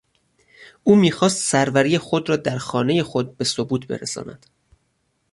او میخواست سروری خود را در خانهی خود به ثبوت برساند.